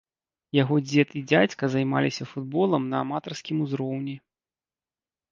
Яго дзед і дзядзька займаліся футболам на аматарскім узроўні.